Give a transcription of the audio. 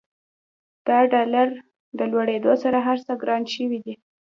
د ډالر له لوړېدولو سره هرڅه ګران شوي دي.